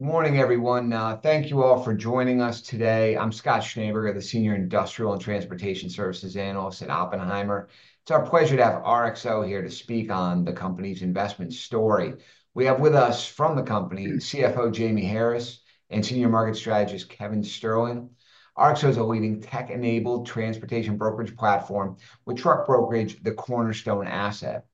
Morning, everyone. Thank you all for joining us today. I'm Scott Schneeberger, the Senior Industrial and Transportation Services Analyst at Oppenheimer. It's our pleasure to have RXO here to speak on the company's investment story. We have with us from the company CFO Jamie Harris and Senior Market Strategist Kevin Sterling. RXO is a leading tech-enabled transportation brokerage platform, with truck brokerage the cornerstone asset.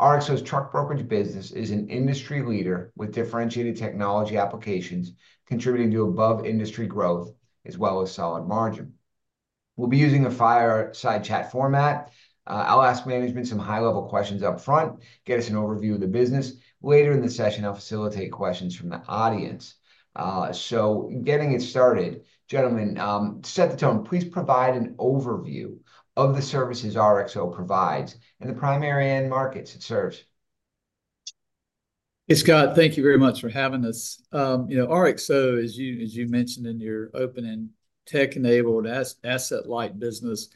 RXO's truck brokerage business is an industry leader with differentiated technology applications, contributing to above-industry growth as well as solid margin. We'll be using a fireside chat format. I'll ask management some high-level questions upfront, get us an overview of the business. Later in the session, I'll facilitate questions from the audience. So getting it started, gentlemen, to set the tone, please provide an overview of the services RXO provides and the primary end markets it serves. Hey, Scott, thank you very much for having us. You know, RXO, as you as you mentioned in your opening, tech-enabled asset-like business,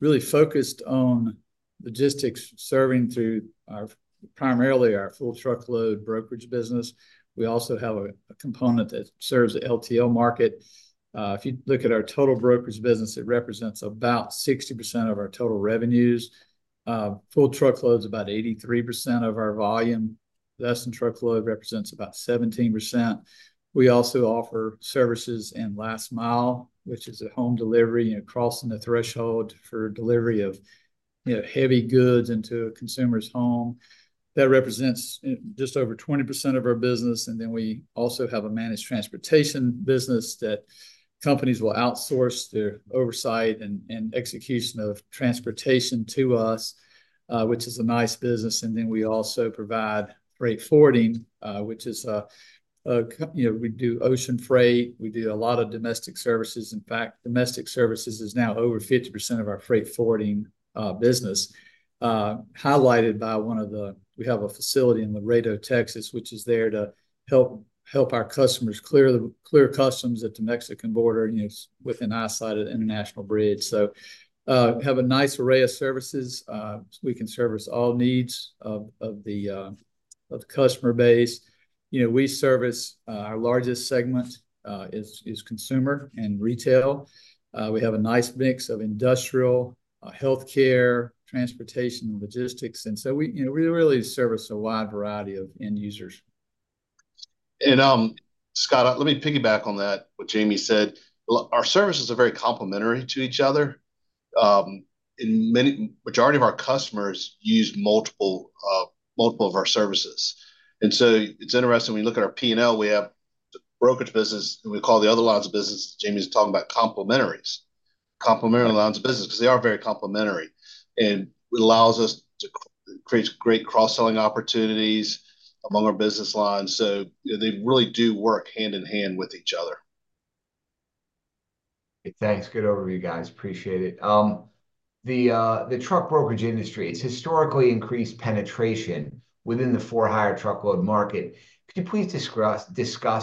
really focused on logistics, serving through our primarily our full truckload brokerage business. We also have a component that serves the LTL market. If you look at our total brokerage business, it represents about 60% of our total revenues. Full truckload's about 83% of our volume. Less than truckload represents about 17%. We also offer services in last mile, which is a home delivery, you know, crossing the threshold for delivery of, you know, heavy goods into a consumer's home. That represents, just over 20% of our business. And then we also have a managed transportation business that companies will outsource their oversight and, and execution of transportation to us, which is a nice business. And then we also provide freight forwarding, which is, you know, we do ocean freight. We do a lot of domestic services. In fact, domestic services is now over 50% of our freight forwarding business, highlighted by one of the we have a facility in Laredo, Texas, which is there to help, help our customers clear the clear customs at the Mexican border, you know, with oversight at an international bridge. So, have a nice array of services. We can service all needs of the customer base. You know, we service, our largest segment, is, is consumer and retail. We have a nice mix of industrial, healthcare, transportation, and logistics. And so we, you know, we really service a wide variety of end users. And, Scott, let me piggyback on that, what Jamie said. Our services are very complementary to each other. In the majority of our customers use multiple of our services. And so it's interesting. When you look at our P&L, we have the brokerage business, and we call the other lines of business that Jamie's talking about complementary lines of business, because they are very complementary. And it allows us to create great cross-selling opportunities among our business lines. So, you know, they really do work hand in hand with each other. Hey, thanks. Good overview, guys. Appreciate it. The truck brokerage industry, it's historically increased penetration within the for-hire truckload market. Could you please discuss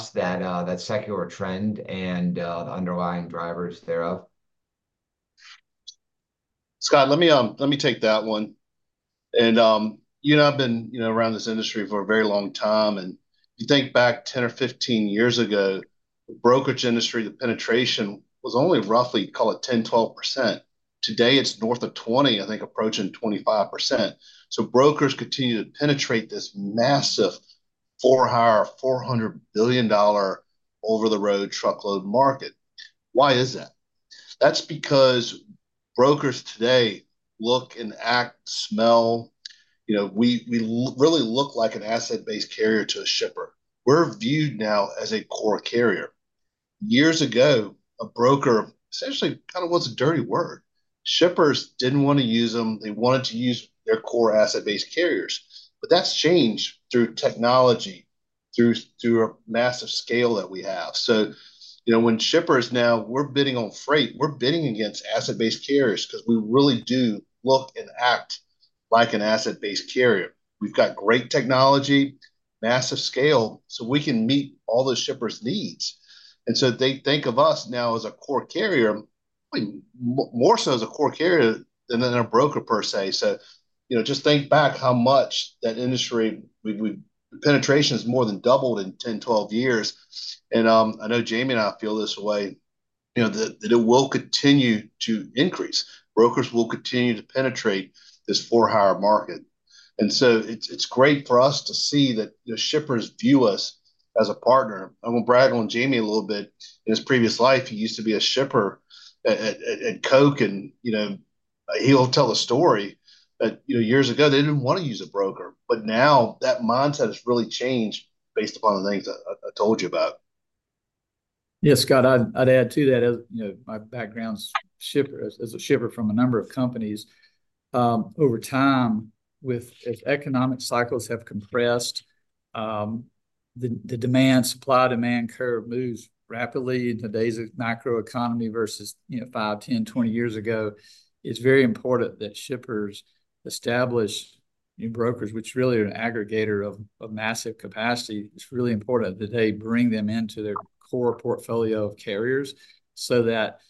that secular trend and the underlying drivers thereof? Scott, let me, let me take that one. You and I've been, you know, around this industry for a very long time. If you think back 10 or 15 years ago, the brokerage industry, the penetration was only roughly, call it, 10%-12%. Today, it's north of 20%, I think, approaching 25%. So brokers continue to penetrate this massive for-hire, $400 billion over-the-road truckload market. Why is that? That's because brokers today look and act, smell. You know, we, we really look like an asset-based carrier to a shipper. We're viewed now as a core carrier. Years ago, a broker essentially kind of was a dirty word. Shippers didn't want to use them. They wanted to use their core asset-based carriers. But that's changed through technology, through, through a massive scale that we have. So, you know, when shippers now we're bidding on freight, we're bidding against asset-based carriers because we really do look and act like an asset-based carrier. We've got great technology, massive scale, so we can meet all those shippers' needs. And so they think of us now as a core carrier, probably more so as a core carrier than a broker, per se. So, you know, just think back how much that industry penetration has more than doubled in 10, 12 years. And, I know Jamie and I feel this way, you know, that, that it will continue to increase. Brokers will continue to penetrate this for-hire market. And so it's, it's great for us to see that, you know, shippers view us as a partner. I'm going to brag on Jamie a little bit. In his previous life, he used to be a shipper at Coke. And, you know, he'll tell the story that, you know, years ago, they didn't want to use a broker. But now that mindset has really changed based upon the things that I told you about. Yeah, Scott, I'd add to that as, you know, my background's shipper as a shipper from a number of companies. Over time, with as economic cycles have compressed, the demand supply-demand curve moves rapidly in today's microeconomy versus, you know, five, 10, 20 years ago. It's very important that shippers establish, you know, brokers, which really are an aggregator of massive capacity. It's really important that they bring them into their core portfolio of carriers so that,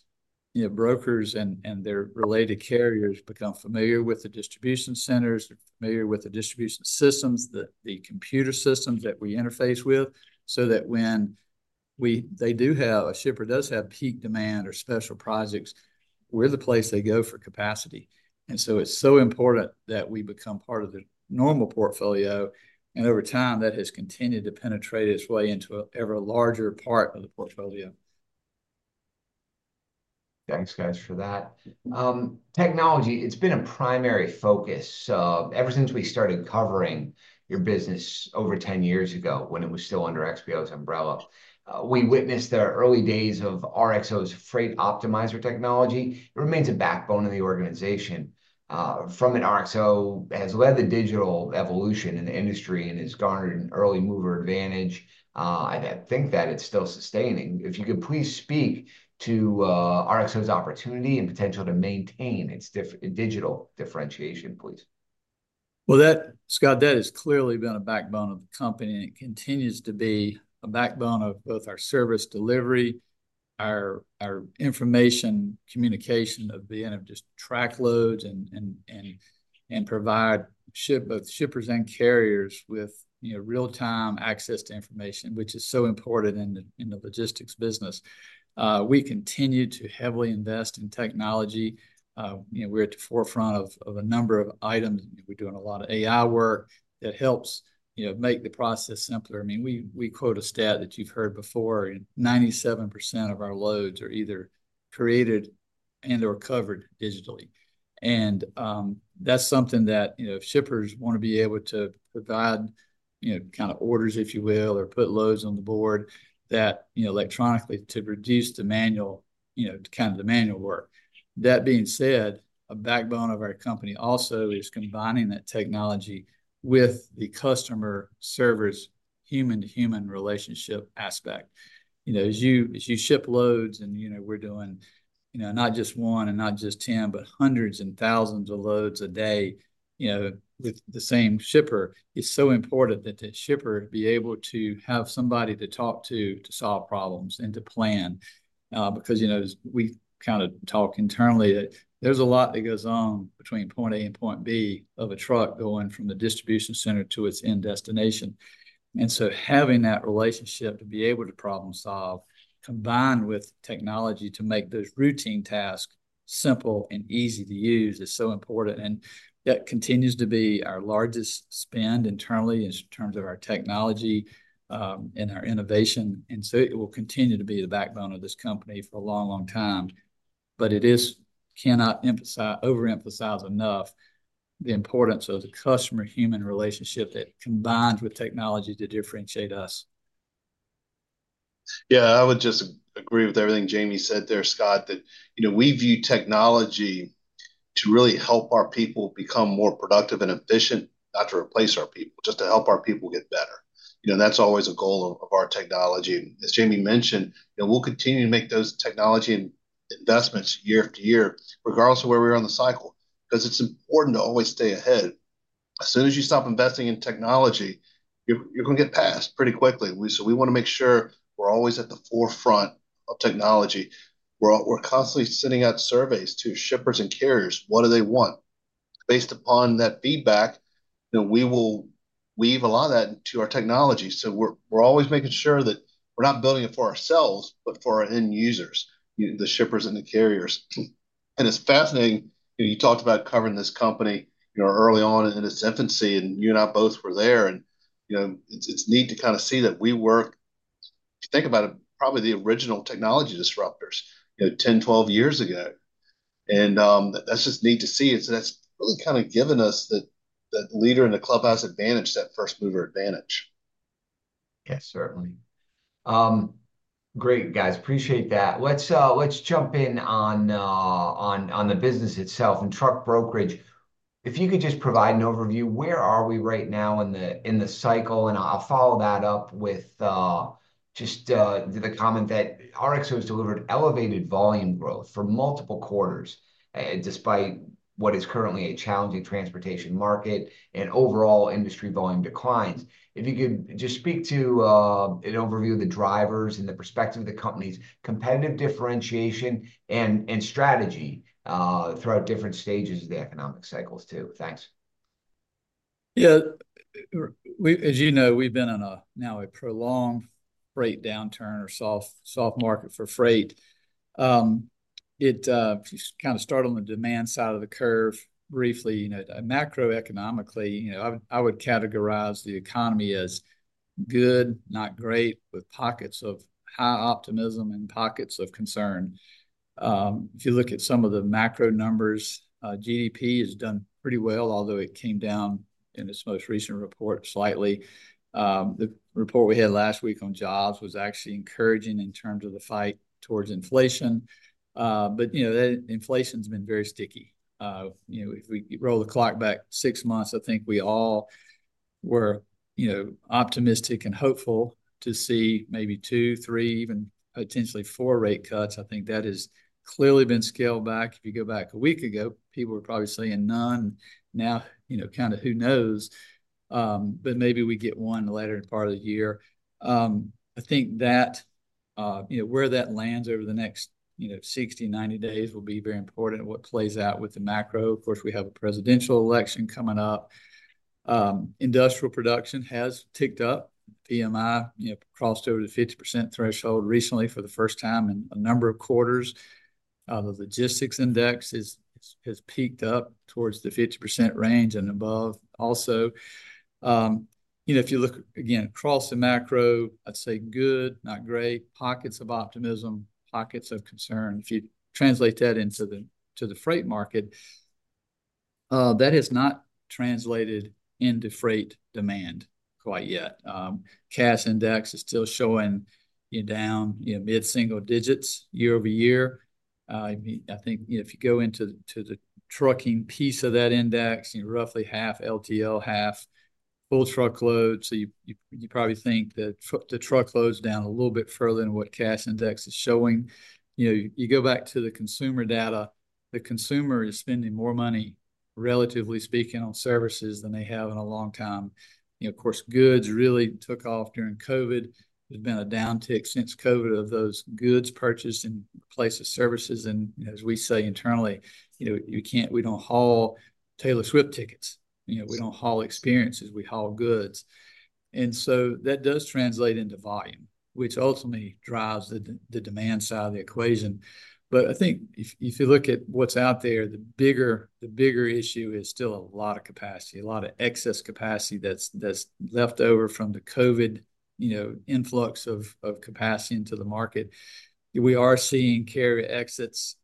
you know, brokers and their related carriers become familiar with the distribution centers, familiar with the distribution systems, the computer systems that we interface with, so that when we they do have a shipper does have peak demand or special projects, we're the place they go for capacity. And so it's so important that we become part of the normal portfolio. Over time, that has continued to penetrate its way into an ever larger part of the portfolio. Thanks, guys, for that technology, it's been a primary focus ever since we started covering your business over 10 years ago when it was still under XPO's umbrella. We witnessed the early days of RXO's Freight Optimizer technology. It remains a backbone in the organization. From an RXO has led the digital evolution in the industry and has garnered an early mover advantage. I think that it's still sustaining. If you could please speak to RXO's opportunity and potential to maintain its digital differentiation, please. Well, that Scott, that has clearly been a backbone of the company, and it continues to be a backbone of both our service delivery, our information communication at the end of just truck loads and provide ship both shippers and carriers with, you know, real-time access to information, which is so important in the logistics business. We continue to heavily invest in technology. You know, we're at the forefront of a number of items. You know, we're doing a lot of AI work that helps, you know, make the process simpler. I mean, we quote a stat that you've heard before. 97% of our loads are either created and/or covered digitally. That's something that, you know, if shippers want to be able to provide, you know, kind of orders, if you will, or put loads on the board that, you know, electronically to reduce the manual, you know, kind of the manual work. That being said, a backbone of our company also is combining that technology with the customer service human-to-human relationship aspect. You know, as you ship loads and, you know, we're doing, you know, not just one and not just 10, but hundreds and thousands of loads a day, you know, with the same shipper, it's so important that the shipper be able to have somebody to talk to, to solve problems and to plan. because, you know, we kind of talk internally that there's a lot that goes on between point A and point B of a truck going from the distribution center to its end destination. And so having that relationship to be able to problem-solve, combined with technology to make those routine tasks simple and easy to use, is so important. And that continues to be our largest spend internally in terms of our technology, and our innovation. And so it will continue to be the backbone of this company for a long, long time. But I cannot emphasize or overemphasize enough the importance of the customer-human relationship that combines with technology to differentiate us. Yeah, I would just agree with everything Jamie said there, Scott, that, you know, we view technology to really help our people become more productive and efficient, not to replace our people, just to help our people get better. You know, and that's always a goal of our technology. And as Jamie mentioned, you know, we'll continue to make those technology investments year after year, regardless of where we are in the cycle, because it's important to always stay ahead. As soon as you stop investing in technology, you're going to get past pretty quickly. So we want to make sure we're always at the forefront of technology. We're constantly sending out surveys to shippers and carriers. What do they want? Based upon that feedback, you know, we will weave a lot of that into our technology. So we're always making sure that we're not building it for ourselves, but for our end users, the shippers and the carriers. And it's fascinating. You know, you talked about covering this company, you know, early on in its infancy, and you and I both were there. And, you know, it's neat to kind of see that we work if you think about it, probably the original technology disruptors, you know, 10, 12 years ago. And, that's just neat to see. And so that's really kind of given us that, that leader in the clubhouse advantage, that first mover advantage. Yeah, certainly. Great, guys. Appreciate that. Let's jump in on the business itself and truck brokerage. If you could just provide an overview, where are we right now in the cycle? And I'll follow that up with just the comment that RXO has delivered elevated volume growth for multiple quarters, despite what is currently a challenging transportation market and overall industry volume declines. If you could just speak to an overview of the drivers and the perspective of the company's competitive differentiation and strategy, throughout different stages of the economic cycles, too. Thanks. Yeah. We, as you know, we've been in a now a prolonged freight downturn or soft market for freight. It, just kind of start on the demand side of the curve briefly. You know, macroeconomically, you know, I would categorize the economy as good, not great, with pockets of high optimism and pockets of concern. If you look at some of the macro numbers, GDP has done pretty well, although it came down in its most recent report slightly. The report we had last week on jobs was actually encouraging in terms of the fight towards inflation. But, you know, that inflation's been very sticky. You know, if we roll the clock back six months, I think we all were, you know, optimistic and hopeful to see maybe two, three, even potentially four rate cuts. I think that has clearly been scaled back. If you go back a week ago, people would probably say none. Now, you know, kind of who knows? But maybe we get one later in part of the year. I think that, you know, where that lands over the next, you know, 60, 90 days will be very important, what plays out with the macro. Of course, we have a presidential election coming up. Industrial production has ticked up. PMI, you know, crossed over the 50% threshold recently for the first time in a number of quarters. The logistics index has peaked up towards the 50% range and above. Also, you know, if you look again across the macro, I'd say good, not great, pockets of optimism, pockets of concern. If you translate that into the freight market, that has not translated into freight demand quite yet. Cass index is still showing, you know, down, you know, mid-single digits year-over-year. I mean, I think, you know, if you go into the trucking piece of that index, you know, roughly half LTL, half full truckload. So you probably think that the truckload's down a little bit further than what Cass index is showing. You know, you go back to the consumer data, the consumer is spending more money, relatively speaking, on services than they have in a long time. You know, of course, goods really took off during COVID. There's been a downtick since COVID of those goods purchased in place of services. And, you know, as we say internally, you know, we can't. We don't haul Taylor Swift tickets. You know, we don't haul experiences. We haul goods. And so that does translate into volume, which ultimately drives the demand side of the equation. But I think if you look at what's out there, the bigger the bigger issue is still a lot of capacity, a lot of excess capacity that's that's left over from the COVID, you know, influx of capacity into the market. We are seeing carrier exits,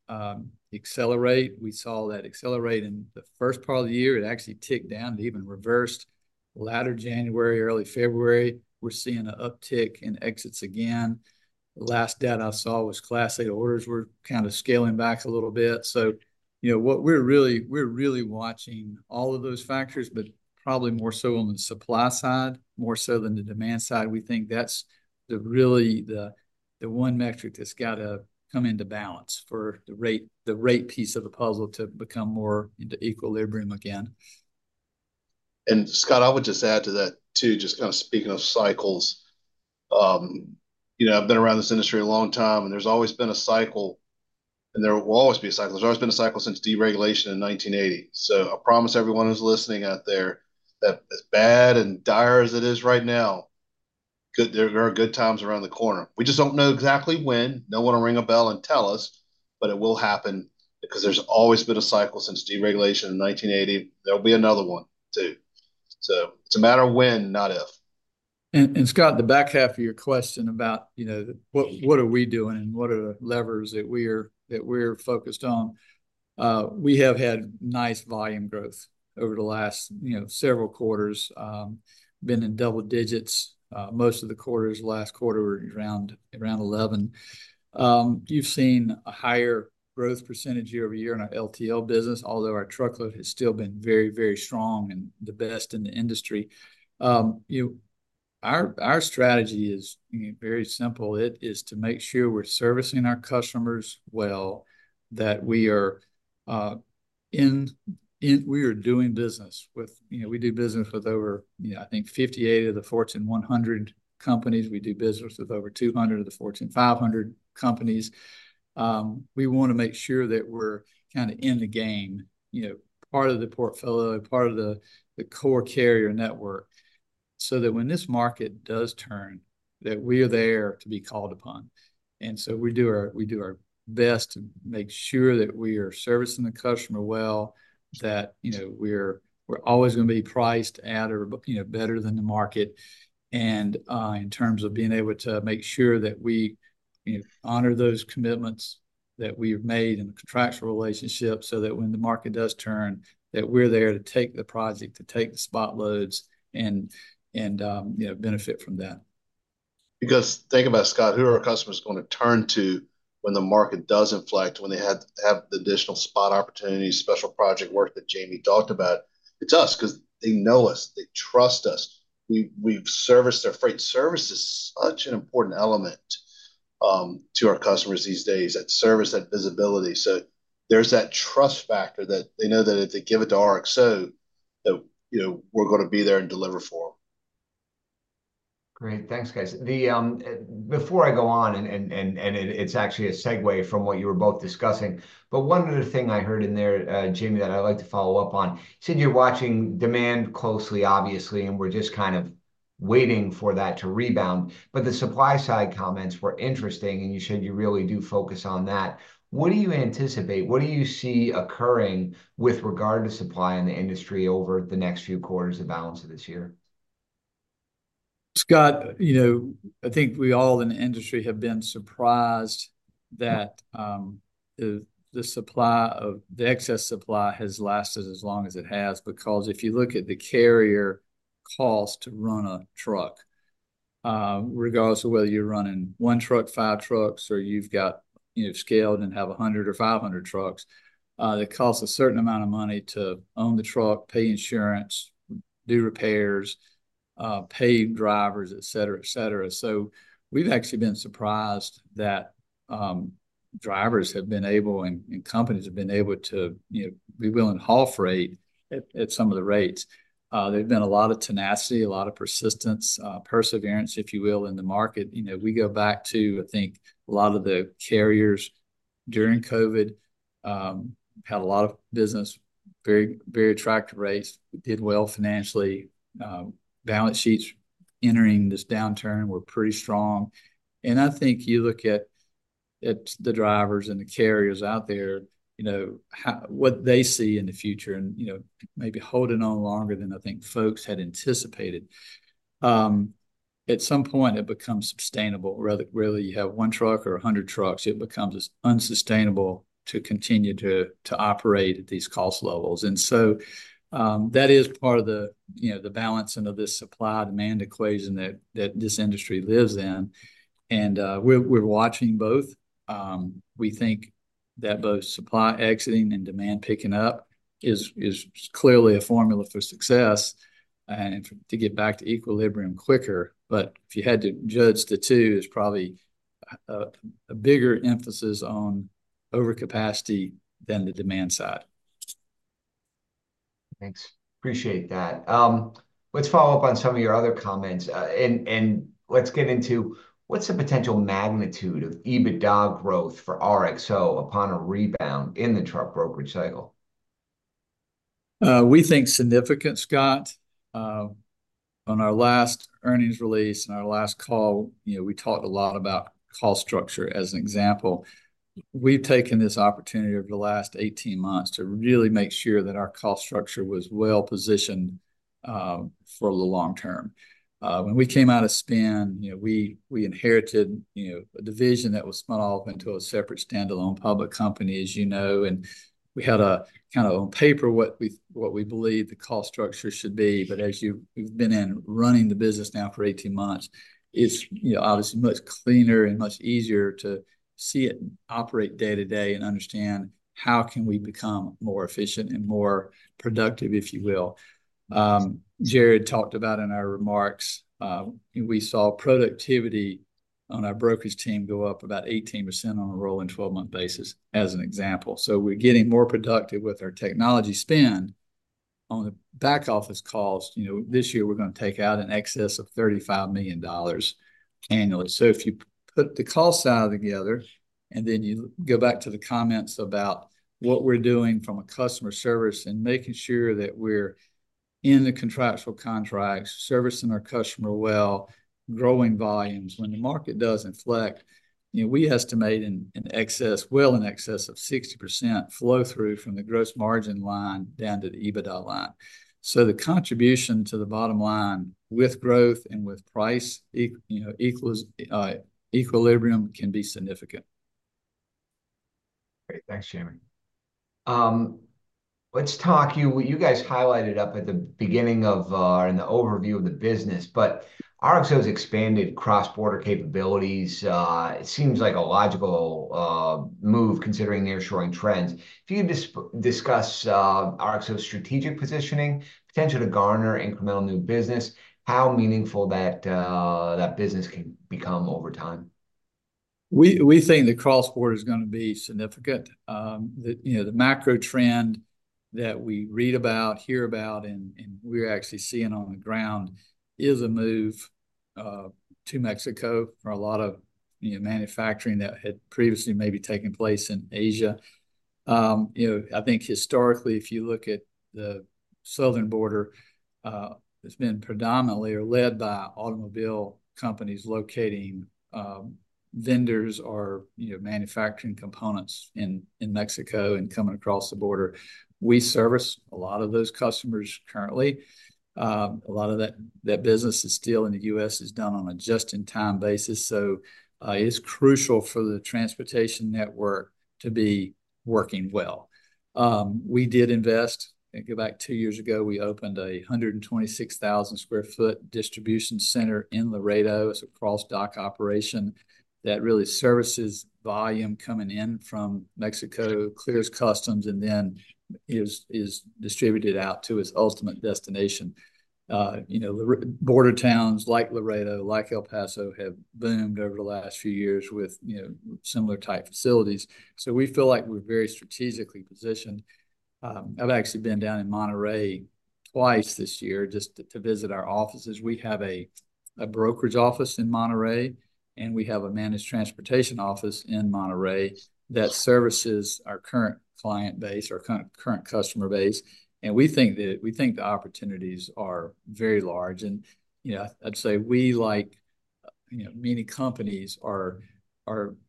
accelerate. We saw that accelerate in the first part of the year. It actually ticked down, even reversed later January, early February. We're seeing an uptick in exits again. The last data I saw was Class 8 orders were kind of scaling back a little bit. So, you know, what we're really we're really watching all of those factors, but probably more so on the supply side, more so than the demand side. We think that's really the one metric that's got to come into balance for the rate piece of the puzzle to become more into equilibrium again. And Scott, I would just add to that, too, just kind of speaking of cycles. You know, I've been around this industry a long time, and there's always been a cycle, and there will always be a cycle. There's always been a cycle since deregulation in 1980. So I promise everyone who's listening out there that as bad and dire as it is right now, good there are good times around the corner. We just don't know exactly when. No one will ring a bell and tell us, but it will happen because there's always been a cycle since deregulation in 1980. There'll be another one, too. So it's a matter of when, not if. Scott, the back half of your question about, you know, what are we doing and what are the levers that we're focused on? We have had nice volume growth over the last, you know, several quarters, been in double digits. Most of the quarters, last quarter, were around 11. You've seen a higher growth percentage year-over-year in our LTL business, although our truckload has still been very, very strong and the best in the industry. You know, our strategy is, you know, very simple. It is to make sure we're servicing our customers well, that we are doing business with, you know, we do business with over, you know, I think 58 of the Fortune 100 companies. We do business with over 200 of the Fortune 500 companies. We want to make sure that we're kind of in the game, you know, part of the portfolio, part of the core carrier network, so that when this market does turn, that we are there to be called upon. And so we do our best to make sure that we are servicing the customer well, that, you know, we're always going to be priced at or, you know, better than the market. And, in terms of being able to make sure that we, you know, honor those commitments that we've made in the contractual relationship, so that when the market does turn, that we're there to take the project, to take the spot loads, and, you know, benefit from that. Because think about, Scott, who are our customers going to turn to when the market does inflect, when they have the additional spot opportunities, special project work that Jamie talked about? It's us because they know us. They trust us. We've serviced their freight. Service is such an important element to our customers these days, that service, that visibility. So there's that trust factor that they know that if they give it to RXO, that, you know, we're going to be there and deliver for them. Great. Thanks, guys. Before I go on, and it's actually a segue from what you were both discussing, but one other thing I heard in there, Jamie, that I'd like to follow up on. You said you're watching demand closely, obviously, and we're just kind of waiting for that to rebound. But the supply side comments were interesting, and you said you really do focus on that. What do you anticipate? What do you see occurring with regard to supply in the industry over the next few quarters of balance of this year? Scott, you know, I think we all in the industry have been surprised that the supply of the excess supply has lasted as long as it has. Because if you look at the carrier cost to run a truck, regardless of whether you're running one truck, five trucks, or you've got, you know, scaled and have 100 or 500 trucks, it costs a certain amount of money to own the truck, pay insurance, do repairs, pay drivers, etc., etc. So we've actually been surprised that drivers have been able and companies have been able to, you know, be willing to half rate at some of the rates. There's been a lot of tenacity, a lot of persistence, perseverance, if you will, in the market. You know, we go back to, I think, a lot of the carriers during COVID had a lot of business, very, very attractive rates, did well financially. Balance sheets entering this downturn were pretty strong. And I think you look at the drivers and the carriers out there, you know, how what they see in the future and, you know, maybe holding on longer than, I think, folks had anticipated. At some point, it becomes sustainable. Rather than really, you have one truck or 100 trucks, it becomes unsustainable to continue to operate at these cost levels. And so, that is part of the, you know, the balancing of this supply-demand equation that this industry lives in. And, we're watching both. We think that both supply exiting and demand picking up is clearly a formula for success and to get back to equilibrium quicker. But if you had to judge the two, there's probably a bigger emphasis on overcapacity than the demand side. Thanks. Appreciate that. Let's follow up on some of your other comments. Let's get into what's the potential magnitude of EBITDA growth for RXO upon a rebound in the truck brokerage cycle? We think significant, Scott. On our last earnings release and our last call, you know, we talked a lot about cost structure as an example. We've taken this opportunity over the last 18 months to really make sure that our cost structure was well positioned for the long term. When we came out of spin, you know, we inherited a division that was spun off into a separate standalone public company, as you know, and we had a kind of on paper what we believe the cost structure should be. But as you've been in running the business now for 18 months, it's, you know, obviously much cleaner and much easier to see it operate day to day and understand how can we become more efficient and more productive, if you will. Jared talked about in our remarks, we saw productivity on our brokerage team go up about 18% on a rolling 12-month basis, as an example. So we're getting more productive with our technology spend. On the back office calls, you know, this year, we're going to take out an excess of $35 million annually. So if you put the cost side together and then you go back to the comments about what we're doing from a customer service and making sure that we're in the contractual contracts, servicing our customer well, growing volumes when the market does inflect, you know, we estimate an excess, well, an excess of 60% flow through from the gross margin line down to the EBITDA line. So the contribution to the bottom line with growth and with price, you know, equilibrium can be significant. Great. Thanks, Jamie. Let's talk. You guys highlighted up at the beginning of, in the overview of the business, but RXO's expanded cross-border capabilities. It seems like a logical move considering nearshoring trends. If you could discuss RXO's strategic positioning, potential to garner incremental new business, how meaningful that business can become over time? We think the cross-border is going to be significant. The, you know, the macro trend that we read about, hear about, and we're actually seeing on the ground is a move to Mexico for a lot of, you know, manufacturing that had previously maybe taken place in Asia. You know, I think historically, if you look at the southern border, it's been predominantly or led by automobile companies locating vendors or, you know, manufacturing components in Mexico and coming across the border. We service a lot of those customers currently. A lot of that business is still in the U.S. is done on a just-in-time basis. So, it's crucial for the transportation network to be working well. We did invest. I think go back two years ago, we opened a 126,000 sq ft distribution center in Laredo. It's a cross-dock operation that really services volume coming in from Mexico, clears customs, and then is distributed out to its ultimate destination. You know, the border towns like Laredo, like El Paso, have boomed over the last few years with, you know, similar type facilities. So we feel like we're very strategically positioned. I've actually been down in Monterrey twice this year just to visit our offices. We have a brokerage office in Monterrey, and we have a managed transportation office in Monterrey that services our current client base, our current customer base. And we think the opportunities are very large. And, you know, I'd say we, like, you know, many companies are,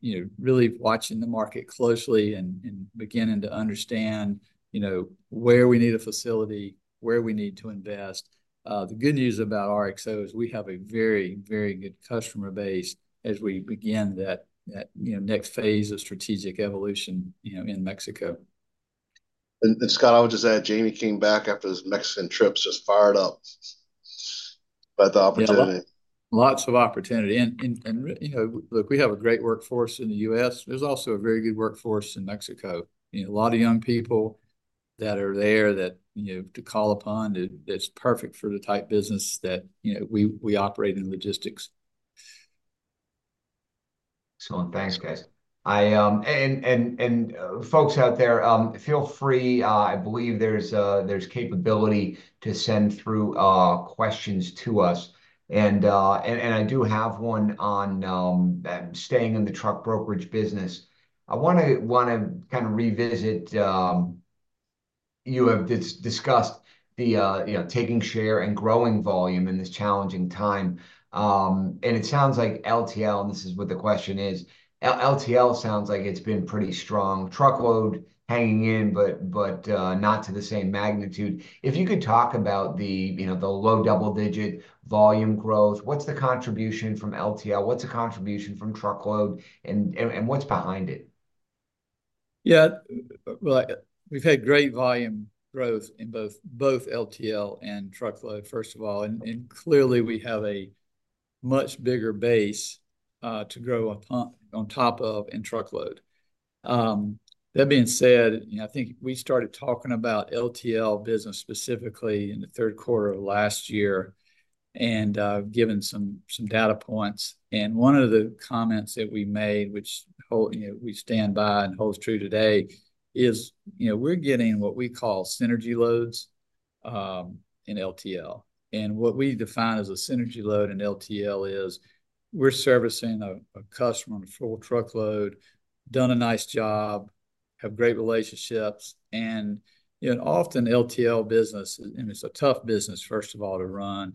you know, really watching the market closely and beginning to understand, you know, where we need a facility, where we need to invest. The good news about RXO is we have a very, very good customer base as we begin that, you know, next phase of strategic evolution, you know, in Mexico. Scott, I would just add, Jamie came back after his Mexican trips, just fired up by the opportunity. Lots of opportunity. And, you know, look, we have a great workforce in the U.S.. There's also a very good workforce in Mexico. You know, a lot of young people that are there that, you know, to call upon. It's perfect for the type business that, you know, we operate in logistics. Excellent. Thanks, guys. I and folks out there, feel free. I believe there's capability to send through questions to us. And I do have one on staying in the truck brokerage business. I want to kind of revisit, you have discussed the, you know, taking share and growing volume in this challenging time. And it sounds like LTL, and this is what the question is, LTL sounds like it's been pretty strong, truckload hanging in, but not to the same magnitude. If you could talk about the, you know, the low double-digit volume growth, what's the contribution from LTL? What's the contribution from truckload and what's behind it? Yeah. Well, we've had great volume growth in both LTL and truckload, first of all. And clearly, we have a much bigger base to grow upon on top of in truckload. That being said, you know, I think we started talking about LTL business specifically in the third quarter of last year and, given some data points. And one of the comments that we made, which hold, you know, we stand by and holds true today, is, you know, we're getting what we call synergy loads in LTL. And what we define as a synergy load in LTL is we're servicing a customer on a full truckload, done a nice job, have great relationships. And, you know, often LTL business is, I mean, it's a tough business, first of all, to run.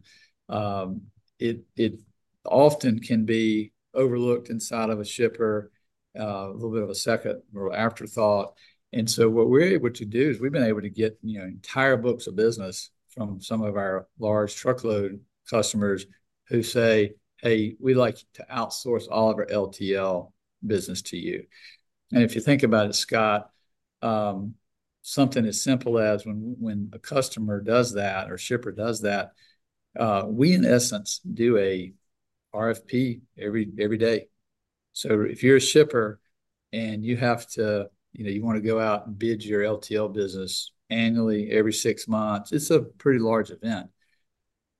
It often can be overlooked inside of a shipper, a little bit of a second or afterthought. And so what we're able to do is we've been able to get, you know, entire books of business from some of our large truckload customers who say, "Hey, we'd like to outsource all of our LTL business to you." And if you think about it, Scott, something as simple as when a customer does that or shipper does that, we in essence do a RFP every day. So if you're a shipper and you have to, you know, you want to go out and bid your LTL business annually every six months, it's a pretty large event.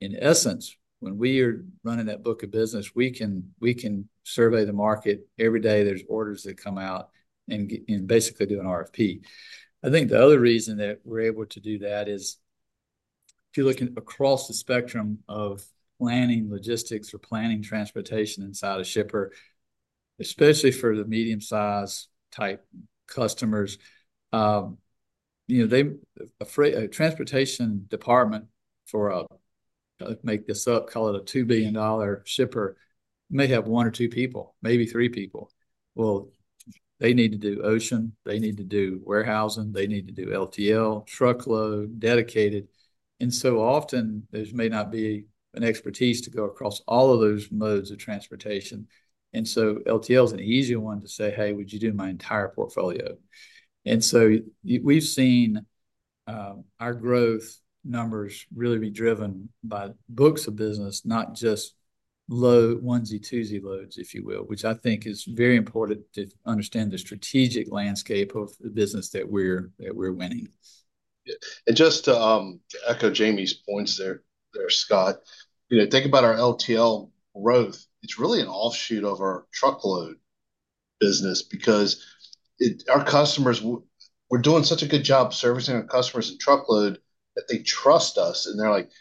In essence, when we are running that book of business, we can survey the market every day. There's orders that come out and basically do an RFP. I think the other reason that we're able to do that is if you're looking across the spectrum of planning logistics or planning transportation inside a shipper, especially for the medium-sized type customers, you know, they have a transportation department for a make this up, call it a $2 billion shipper, may have one or two people, maybe three people. Well, they need to do ocean. They need to do warehousing. They need to do LTL, truckload, dedicated. And so often, there may not be an expertise to go across all of those modes of transportation. And so LTL is an easy one to say, "Hey, would you do my entire portfolio?" And so we've seen our growth numbers really be driven by books of business, not just low onesie, twosie loads, if you will, which I think is very important to understand the strategic landscape of the business that we're winning. Yeah. And just to echo Jamie's points there, Scott, you know, think about our LTL growth. It's really an offshoot of our truckload business because our customers, we're doing such a good job servicing our customers in truckload that they trust us and they're like,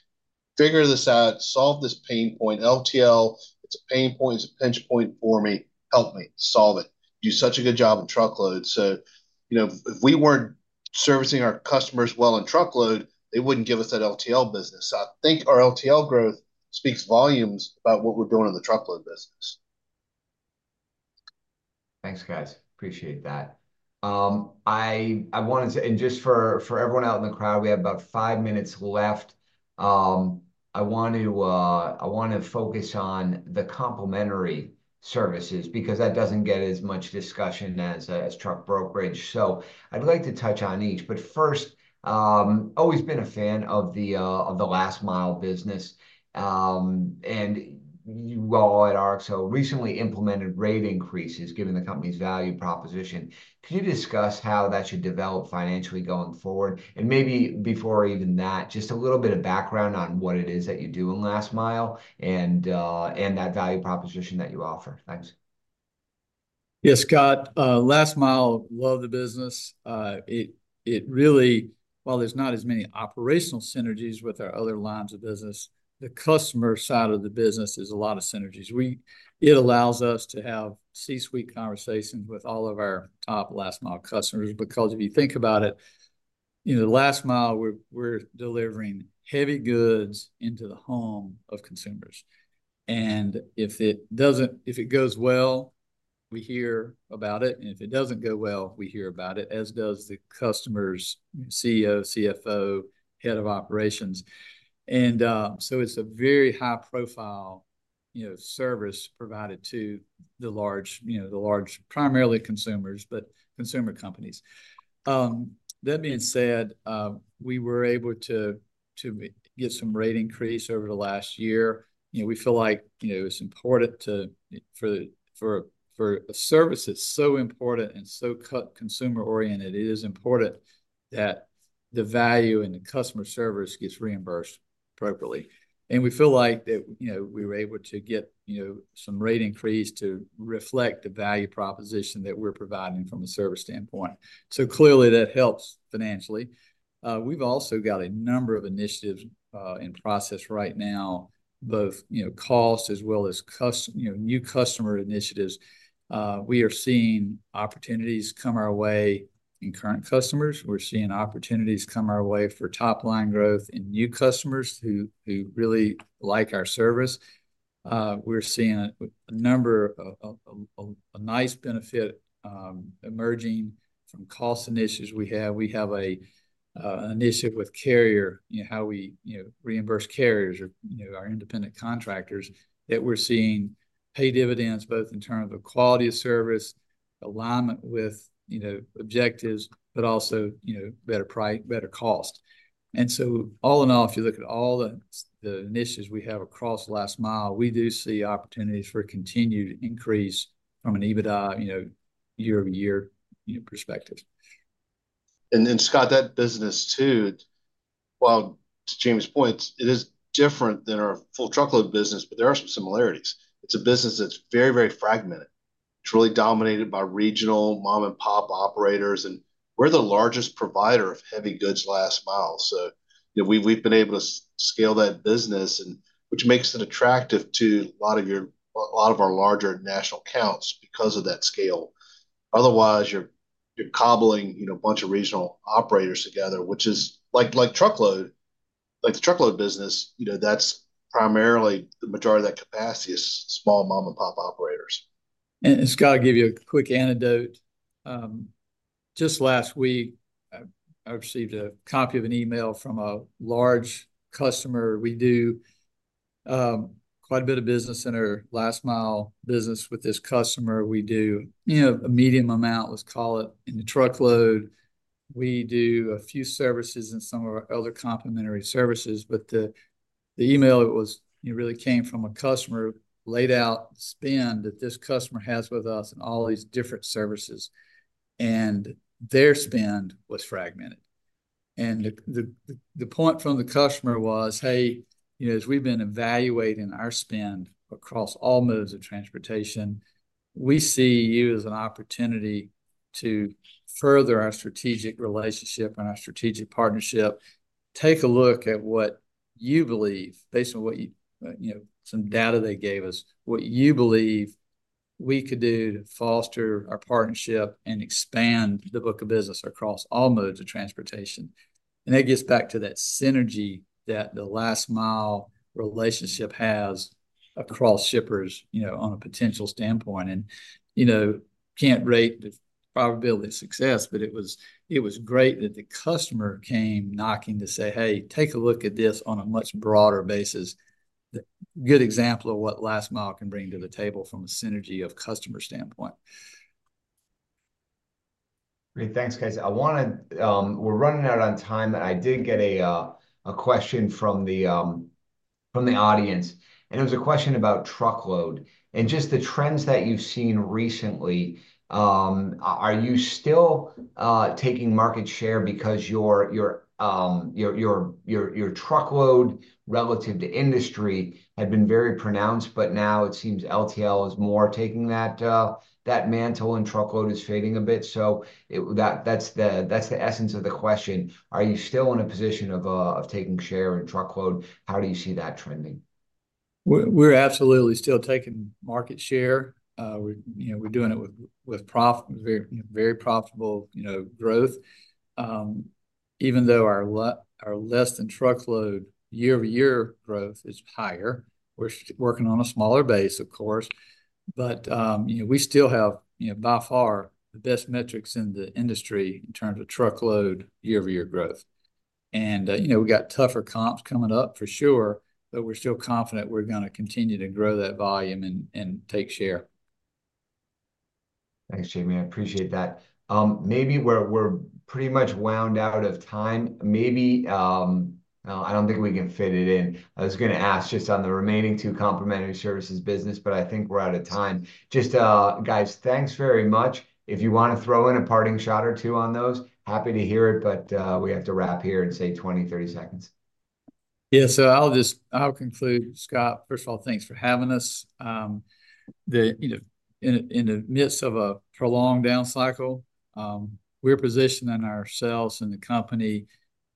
"Figure this out, solve this pain point. LTL, it's a pain point, it's a pinch point for me. Help me solve it. You do such a good job in truckload." So, you know, if we weren't servicing our customers well in truckload, they wouldn't give us that LTL business. So I think our LTL growth speaks volumes about what we're doing in the truckload business. Thanks, guys. Appreciate that. I wanted to, and just for everyone out in the crowd, we have about five minutes left. I want to focus on the complementary services because that doesn't get as much discussion as truck brokerage. So I'd like to touch on each. But first, always been a fan of the last mile business. And you all at RXO recently implemented rate increases given the company's value proposition. Can you discuss how that should develop financially going forward? And maybe before even that, just a little bit of background on what it is that you do in last mile and that value proposition that you offer. Thanks. Yeah, Scott. Last mile, love the business. It really, while there's not as many operational synergies with our other lines of business, the customer side of the business is a lot of synergies. It allows us to have C-suite conversations with all of our top last mile customers because if you think about it, you know, the last mile, we're delivering heavy goods into the home of consumers. And if it goes well, we hear about it. And if it doesn't go well, we hear about it, as does the customer's CEO, CFO, head of operations. And so it's a very high-profile, you know, service provided to the large, you know, the large primarily consumers, but consumer companies. That being said, we were able to get some rate increase over the last year. You know, we feel like, you know, it's important to for a service that's so important and so consumer-oriented, it is important that the value and the customer service gets reimbursed appropriately. And we feel like that, you know, we were able to get, you know, some rate increase to reflect the value proposition that we're providing from a service standpoint. So clearly, that helps financially. We've also got a number of initiatives, in process right now, both, you know, cost as well as customer, you know, new customer initiatives. We are seeing opportunities come our way in current customers. We're seeing opportunities come our way for top-line growth and new customers who really like our service. We're seeing a number of a nice benefit, emerging from cost initiatives we have. We have an initiative with carrier, you know, how we, you know, reimburse carriers or, you know, our independent contractors that we're seeing pay dividends both in terms of quality of service, alignment with, you know, objectives, but also, you know, better price, better cost. And so all in all, if you look at all the initiatives we have across last mile, we do see opportunities for continued increase from an EBITDA, you know, year-over-year, you know, perspective. Then, Scott, that business too, while to Jamie's point, it is different than our full truckload business, but there are some similarities. It's a business that's very, very fragmented. It's really dominated by regional mom-and-pop operators. And we're the largest provider of heavy goods last mile. So, you know, we've been able to scale that business, and which makes it attractive to a lot of our larger national accounts because of that scale. Otherwise, you're cobbling, you know, a bunch of regional operators together, which is like truckload, like the truckload business, you know, that's primarily the majority of that capacity is small mom-and-pop operators. Scott, I'll give you a quick anecdote. Just last week, I received a copy of an email from a large customer. We do quite a bit of business in our last mile business with this customer. We do, you know, a medium amount, let's call it, in the truckload. We do a few services and some of our other complementary services. But the email, it was, you know, really came from a customer laid out spend that this customer has with us and all these different services, and their spend was fragmented. And the point from the customer was, "Hey, you know, as we've been evaluating our spend across all modes of transportation, we see you as an opportunity to further our strategic relationship and our strategic partnership. Take a look at what you believe, based on what you, you know, some data they gave us, what you believe we could do to foster our partnership and expand the book of business across all modes of transportation." And that gets back to that synergy that the last mile relationship has across shippers, you know, on a potential standpoint. And, you know, can't rate the probability of success, but it was great that the customer came knocking to say, "Hey, take a look at this on a much broader basis." Good example of what last mile can bring to the table from a synergy of customer standpoint. Great. Thanks, guys. I want to, we're running out on time, and I did get a question from the audience, and it was a question about truckload and just the trends that you've seen recently. Are you still taking market share because your truckload relative to industry had been very pronounced, but now it seems LTL is more taking that mantle and truckload is fading a bit? So that's the essence of the question. Are you still in a position of taking share in truckload? How do you see that trending? We're absolutely still taking market share. We're, you know, doing it with profit, very, you know, very profitable, you know, growth. Even though our less than truckload year-over-year growth is higher, we're working on a smaller base, of course. But, you know, we still have, you know, by far the best metrics in the industry in terms of truckload year-over-year growth. And, you know, we got tougher comps coming up for sure, but we're still confident we're going to continue to grow that volume and take share. Thanks, Jamie. I appreciate that. Maybe we're pretty much wound out of time. Maybe, I don't think we can fit it in. I was going to ask just on the remaining two complementary services business, but I think we're out of time. Just, guys, thanks very much. If you want to throw in a parting shot or two on those, happy to hear it. But, we have to wrap here and say 20, 30 seconds. Yeah. So I'll conclude, Scott. First of all, thanks for having us. You know, in the midst of a prolonged downcycle, we're positioning ourselves and the company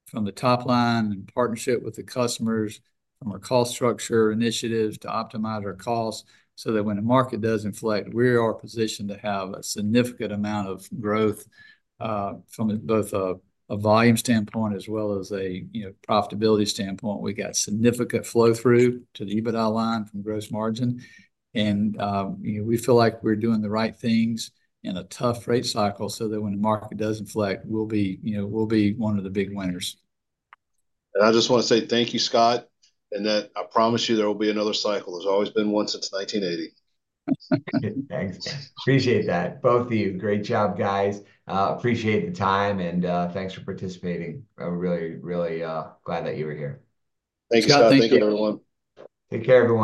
from the top line in partnership with the customers from our cost structure initiatives to optimize our costs so that when the market does inflect, we are positioned to have a significant amount of growth, from both a volume standpoint as well as a, you know, profitability standpoint. We got significant flow through to the EBITDA line from gross margin. And, you know, we feel like we're doing the right things in a tough rate cycle so that when the market does inflect, we'll be, you know, we'll be one of the big winners. I just want to say thank you, Scott, and that I promise you there will be another cycle. There's always been one since 1980. Thanks. Appreciate that. Both of you. Great job, guys. Appreciate the time and thanks for participating. I'm really, really glad that you were here. Thanks, Scott. Thank you, everyone. Take care, everyone.